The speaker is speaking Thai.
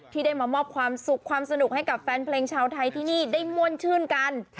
ที่ได้มามอบความสุขความสนุกให้กับแฟนเพลงชาวไทยที่นี่ได้ม่วนชื่นกัน